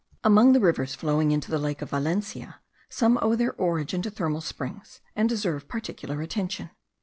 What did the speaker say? Among the rivers flowing into the lake of Valencia some owe their origin to thermal springs, and deserve particular attention.